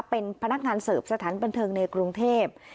เป็นพนักงานเสิร์ฟสถานบันเทิงในกรุงเทพ